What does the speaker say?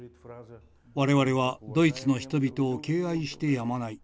「我々はドイツの人々を敬愛してやまない。